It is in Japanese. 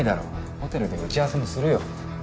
ホテルで打ち合わせもするよ